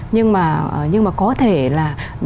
nhưng mà có thể là